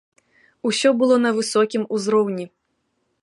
Усё было на высокім узроўні.